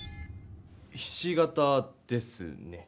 ひし形ですね。